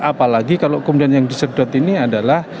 apalagi kalau kemudian yang disedot ini adalah